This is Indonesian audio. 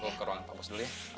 gue ke ruangan park sad seule ya